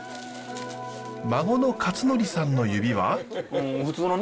孫の克憲さんの指は。